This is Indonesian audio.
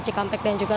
tidak ada penurunan